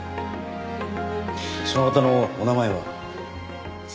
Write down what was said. その方のお名前は？